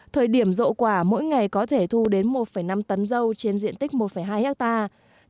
thời điểm dậu quả mỗi ngày có thể thu đến một năm tấn dâu trên diện tích một hai hectare